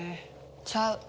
ちゃう。